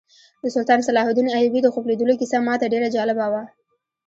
د سلطان صلاح الدین ایوبي د خوب لیدلو کیسه ماته ډېره جالبه وه.